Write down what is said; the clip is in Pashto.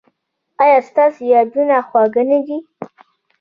ایا ستاسو یادونه خوږه نه ده؟